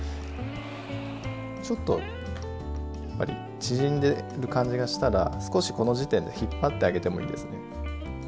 ちょっとやっぱり縮んでる感じがしたら少しこの時点で引っ張ってあげてもいいですね。